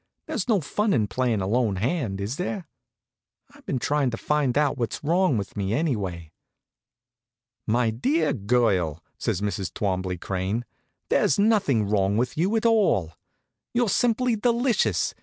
There's no fun in playing a lone hand, is there? I've been trying to find out what's wrong with me, anyway?" "My dear girl," says Mrs. Twombley Crane, "there's nothing wrong with you at all. You're simply delicious.